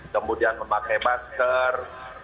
kemudian memakai masker